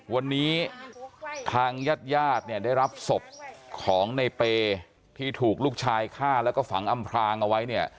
วันนี้ทางญาติญาติเนี่ยได้รับศพของในเปย์ที่ถูกลูกชายฆ่าแล้วก็ฝังอำพรางเอาไว้เนี่ย